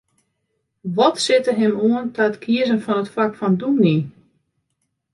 Wat sette him oan ta it kiezen fan it fak fan dûmny?